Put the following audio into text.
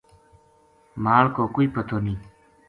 مال کو کوئی پتو نیہہ